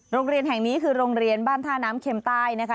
โรงเรียนแห่งนี้คือโรงเรียนบ้านท่าน้ำเข็มใต้นะคะ